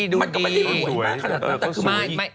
ดูดี